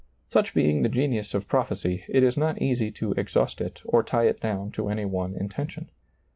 Such being the genius of prophecy, it is not easy to exhaust it or tie it down to any one intention.